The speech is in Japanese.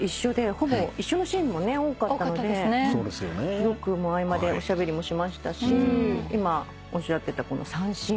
ほぼ一緒のシーンも多かったのでよく合間でおしゃべりもしましたし今おっしゃってた三線。